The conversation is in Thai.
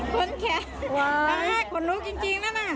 ขนแขนขนลุกจริงนะ